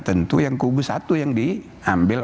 tentu yang kubu satu yang diambil